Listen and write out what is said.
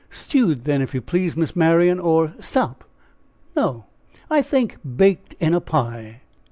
"Stewed, then, if you please, Miss Marian! or stop no I think baked in a pie!"